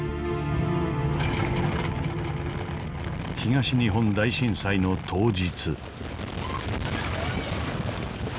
東日本大震災の当日。